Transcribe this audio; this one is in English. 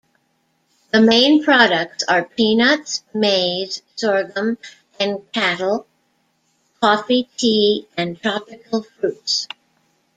The main products are peanuts, maize, sorghum and cattle, coffee, tea and tropical fruits.